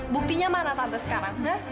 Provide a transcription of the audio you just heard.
buktinya mana tante sekarang